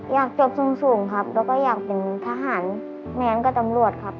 อยากจบสูงครับแล้วก็อยากเป็นทหารแม้นกับตำรวจครับ